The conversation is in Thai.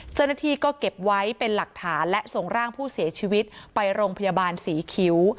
เจ้าหน้าที่ก็เก็บไว้เป็นหลักฐานและส่งร่างผู้เสียชีวิตไปโรงพยาบาลศรีคิ้ว